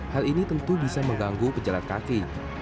hal ini tentu bisa mengganggu pejalan kaki